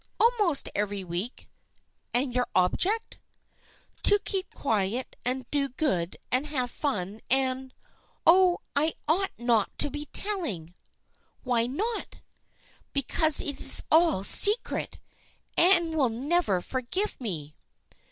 " Almost every week." " And your object ?"" To keep quiet and to do good and have fun and Oh, I ought not to be telling !" "Why not?" " Because it is all a secret ! Anne will never forgive me."